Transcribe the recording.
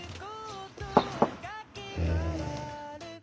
うん。